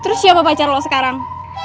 terus siapa pacar loh sekarang